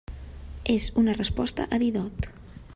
És una resposta a Didot.